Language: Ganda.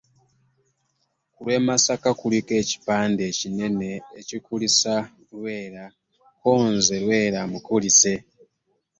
Ku lw’e Masaka kuliko ekipande ekinene ekikukulisa Lwera ko nze Lwera mukulise.